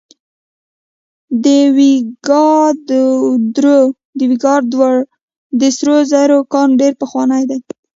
د ویکادور د سرو زرو کان ډیر پخوانی دی.